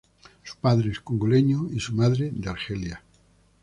Su padre es congoleño y su madre, de Argelia.